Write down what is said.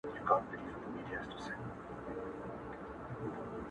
ښایسته یې چټه ښکلې ګلالۍ کړه،